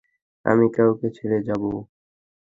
আমি কাউকে ছেড়ে যাবো।